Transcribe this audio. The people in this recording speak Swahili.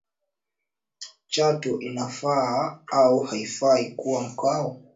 Chato inafaa au haifai kuwa mkoa